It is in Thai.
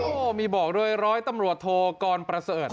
โอ่นี่บอกด้วยร้อยตำรวจโทกรประเสริร์ส